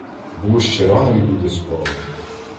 Було ще рано й люди спали.